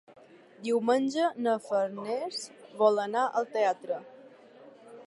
Diumenge na Farners vol anar al teatre.